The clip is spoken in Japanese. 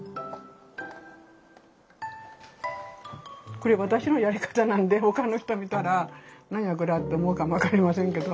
これ私のやり方なんで他の人見たら何やこりゃって思うかも分かりませんけど。